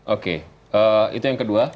oke itu yang kedua